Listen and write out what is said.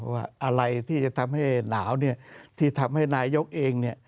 ว่าอะไรที่จะทำให้หนาวที่ทำให้นายกเอง